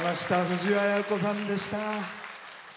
藤あや子さんでした。